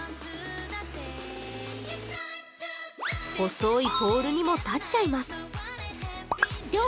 細いポールにも立っちゃいます。